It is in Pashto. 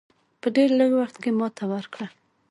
په ډېر لږ وخت کې ماته ورکړه.